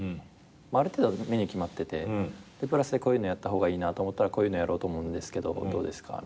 ある程度メニュー決まっててプラスでこういうのやった方がいいなと思ったらこういうのやろうと思うんですけどどうですか？